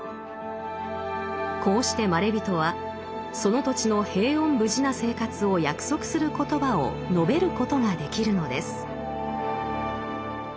こうしてまれびとはその土地の平穏無事な生活を約束する言葉を述べることができるのです。